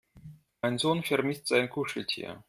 Mein Sohn vermisst sein Kuscheltier.